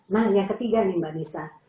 nah yang ketiga nih mbak nisa